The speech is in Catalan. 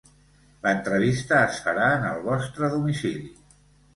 L'entrevista es farà en el vostre domicili.